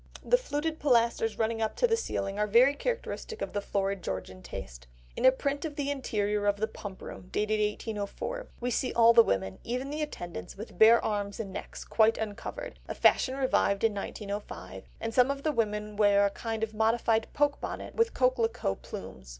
The fluted pilasters running up to the ceiling are very characteristic of the florid Georgian taste. In a print of the interior of the Pump Room, dated 1804, we see all the women, even the attendants, with bare arms and necks, quite uncovered,—a fashion revived in 1905,—and some of the women wear a kind of modified poke bonnet with "coquelicot" plumes.